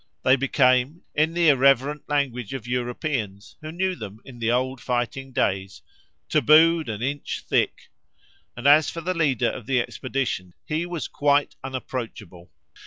They became, in the irreverent language of Europeans who knew them in the old fighting days, "tabooed an inch thick"; and as for the leader of the expedition, he was quite unapproachable.